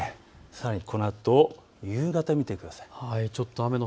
さらにこのあと夕方を見ていきます。